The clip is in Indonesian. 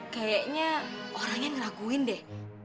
kayaknya orangnya ngeraguin deh